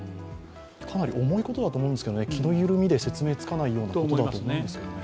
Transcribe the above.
かなり重いことだと思うんですが、気の緩みで説明のつかないようなことだと思うんですが。